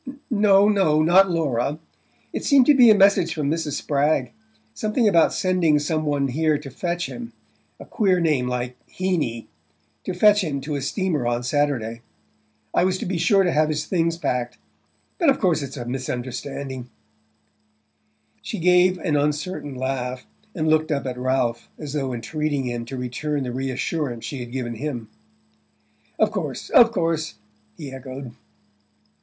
"No, no; not Laura. It seemed to be a message from Mrs. Spragg: something about sending some one here to fetch him a queer name like Heeny to fetch him to a steamer on Saturday. I was to be sure to have his things packed...but of course it's a misunderstanding..." She gave an uncertain laugh, and looked up at Ralph as though entreating him to return the reassurance she had given him. "Of course, of course," he echoed.